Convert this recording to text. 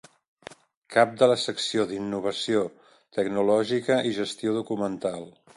Cap de la Secció d'Innovació Tecnològica i Gestió Documental.